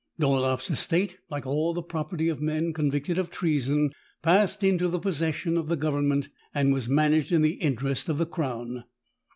Dolaeff's estate, like all the property of men con victed of treason, passed into the possession of the government and was managed in the interest of the crown.